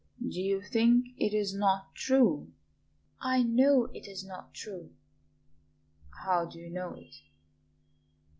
Do you think it is not true?" "I know it is not true." "How do you know it?"